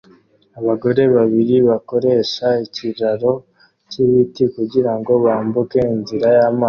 Abagore babiri bakoresha ikiraro cyibiti kugirango bambuke inzira y'amazi